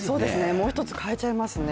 もう一つ、買えちゃいますね。